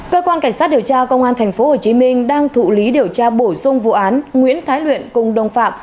cơ quan cảnh sát điều tra công an tp hcm đang thụ lý điều tra bổ sung vụ án nguyễn thái luyện cùng đồng phạm